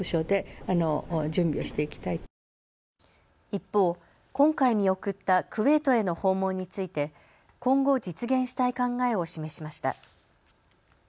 一方、今回見送ったクウェートへの訪問について今後、実現したい考えを示しました。